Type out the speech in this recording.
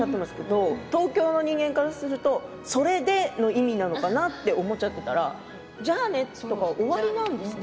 東京の人間からするとそれでの意味かなと思っちゃっていたら、じゃあねとか終わりなんですね。